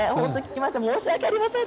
申し訳ありません。